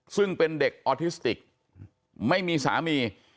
ซึ่งเป็นเด็กออทิสติกไม่มีสามี